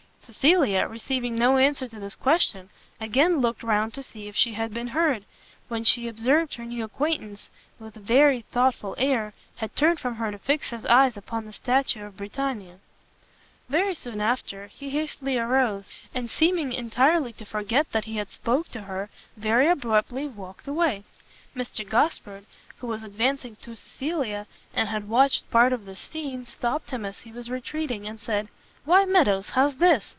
Cecilia, receiving no answer to this question, again looked round to see if she had been heard; when she observed her new acquaintance, with a very thoughtful air, had turned from her to fix his eyes upon the statue of Britannia. Very soon after, he hastily arose, and seeming entirely to forget that he had spoke to her, very abruptly walked away. Mr Gosport, who was advancing to Cecilia, and had watched part of this scene, stopt him as he was retreating, and said "Why Meadows, how's this?